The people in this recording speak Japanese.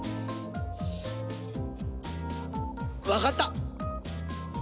わかった！